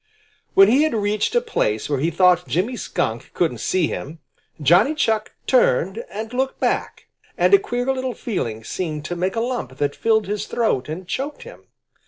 When he had reached a place where he thought Jimmy Skunk couldn't see him, Johnny Chuck turned and looked back, and a queer little feeling seemed to make a lump that filled his throat and choked him.